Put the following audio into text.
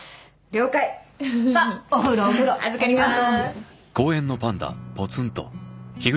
了解さあお風呂お風呂預かりまーす